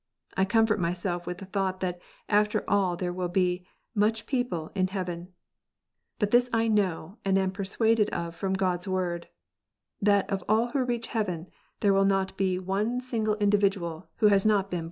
I comfort myself with the thought that after all there will be " much people " in heaven. But this I know, and am persuaded of irom God s (Word, that of aH who reach heaven there will not be one single individuaTwfe Sas^BLQ^been jip.